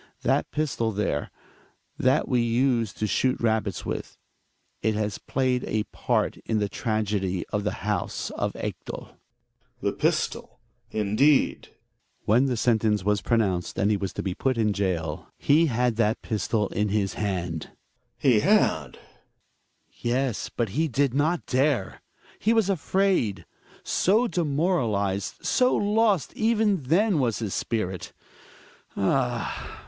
That pistol there — that we used to shoot rabbits with — it has played a part in the tragedy of the house of Ekdal. Greoers. The pistoj j Indeed? PtfeCUC Hjalmar. When the sentence was pronounced and he was to be put in goal — he had that pistol in his hand Gregees. He had ! Hjalmar. Yes, but he did not dare. He was afraid. So demoralized, so lost even then was his spirit. Ah